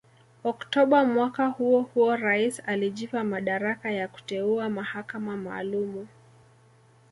Oktoba mwaka huo huo rais alijipa madaraka ya kuteua mahakama maalumu